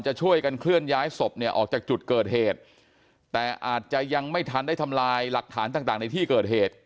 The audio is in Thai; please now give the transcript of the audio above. จะช่วยกันเคลื่อนย้ายศพเนี่ยออกจากจุดเกิดเหตุแต่อาจจะยังไม่ทันได้ทำลายหลักฐานต่างต่างในที่เกิดเหตุ